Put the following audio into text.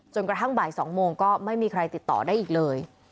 กระทั่งบ่าย๒โมงก็ไม่มีใครติดต่อได้อีกเลย